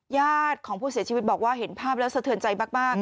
ญาติของผู้เสียชีวิตบอกว่าเห็นภาพแล้วสะเทือนใจมาก